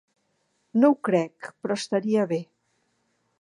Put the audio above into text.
No ho crec, però estaria bé.